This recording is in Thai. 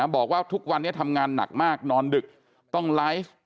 บอกว่าทุกวันนี้ทำงานหนักมากนอนดึกต้องไลฟ์